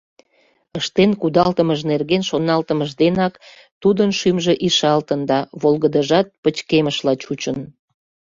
Ыштен кудалтымыж нерген шоналтымыж денак тудын шӱмжӧ ишалтын да волгыдыжат пыкечмышла чучын.